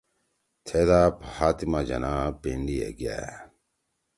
تھیدا فاطمہ جناح پینڈی ئے گأ